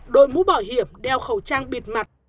đội mũ bảo hiểm đeo khẩu trang bịt mặt